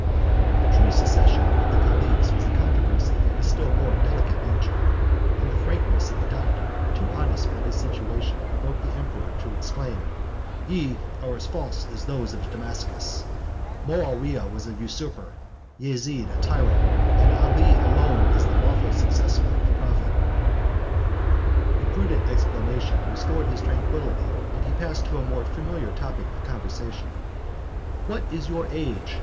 The true succession of the caliphs was a controversy of a still more delicate nature; and the frankness of a doctor, too honest for his situation, provoked the emperor to exclaim, "Ye are as false as those of Damascus: Moawiyah was a usurper, Yezid a tyrant, and Ali alone is the lawful successor of the prophet." A prudent explanation restored his tranquillity; and he passed to a more familiar topic of conversation. "What is your age?"